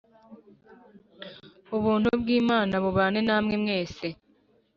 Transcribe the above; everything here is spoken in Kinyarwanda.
Ubuntu bw’Imana bubane namwe mwese